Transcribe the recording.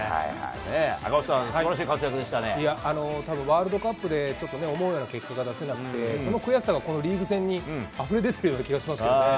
赤星さん、たぶんワールドカップで、ちょっとね、思うような結果が出せなくて、その悔しさが、このリーグ戦にあふれ出てるような気がしますけどね。